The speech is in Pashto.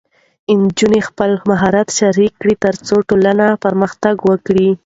نجونې خپل مهارت شریک کړي، ترڅو ټولنه پرمختګ وکړي.